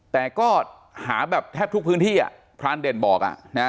แต่ก็หาแบบแทบทุกพื้นที่พรานเด่นบอก